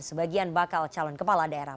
sebagian bakal calon kepala daerah